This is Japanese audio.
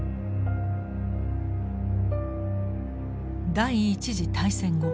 第一次大戦後